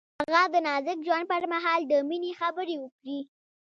هغه د نازک ژوند پر مهال د مینې خبرې وکړې.